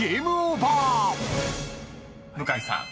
［向井さん